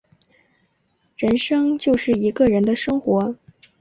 人生就是一个人的生活